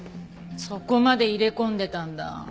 そこまで入れ込んでたんだ。